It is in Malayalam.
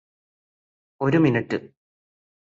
ഒരു മിനുട്ട്